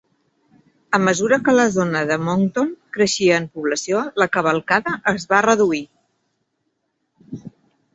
A mesura que la zona de Moncton creixia en població, la cavalcada es va reduir.